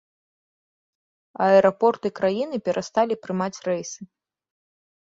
Аэрапорты краіны перасталі прымаць рэйсы.